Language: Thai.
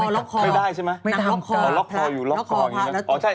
ล็อกคอไม่ได้ใช่ไหมล็อกคออยู่ล็อกคออยู่อย่างนี้นะอ๋อใช่